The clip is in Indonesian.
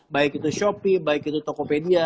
baik itu shopee baik itu tokopedia